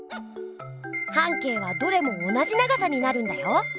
半径はどれも同じ長さになるんだよ。